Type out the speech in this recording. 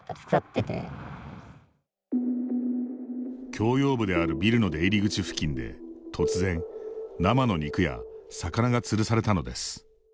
共用部であるビルの出入り口付近で突然生の肉や魚がつるされたのです。